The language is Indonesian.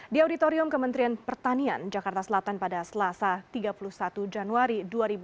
di auditorium kementerian pertanian jakarta selatan pada selasa tiga puluh satu januari dua ribu dua puluh